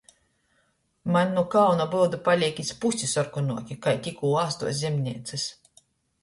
Maņ nu kauna byudi palīk iz pusi sorkonuoki kai tikkū āstuos zemneicys...